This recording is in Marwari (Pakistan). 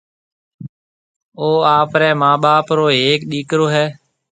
او آپرَي مان ٻاپ رو ھيَََڪ ڏيڪرو ھيََََ